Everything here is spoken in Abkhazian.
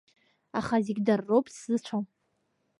Аха зегь дара роуп, сзыцәом.